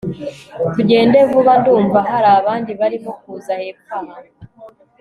tugende vuba ndumva harabandi barimo kuza hepfo aha